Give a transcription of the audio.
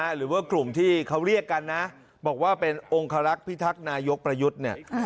หรือว่ากลุ่มที่เขาเรียกกันนะบอกว่าเป็นองคารักษ์พิทักษ์นายกประยุทธ์เนี่ย